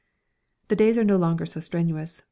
The days are no longer so strenuous.